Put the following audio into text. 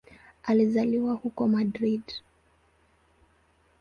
Alizaliwa huko Madrid.